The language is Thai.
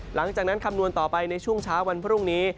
หลังจากนั้นคำนวณต่อไปในช่วงเช้าวันพรุ่งนี้